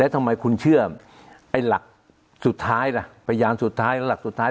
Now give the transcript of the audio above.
ทำไมคุณเชื่อไอ้หลักสุดท้ายล่ะพยานสุดท้ายหลักสุดท้าย